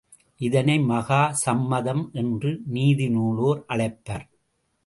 இதனை மகா சம்மதம் என்று நீதி நூலோர் அழைப்பர்.